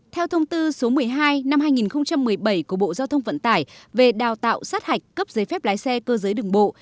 theo thông tư số một mươi hai năm hai nghìn một mươi bảy của bộ giao thông vận tải về đào tạo sát hạch cấp giấy phép lái xe cơ giới đường bộ